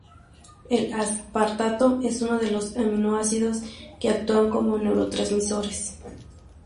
El aspartato es uno de los aminoácidos que actúan como neurotransmisores.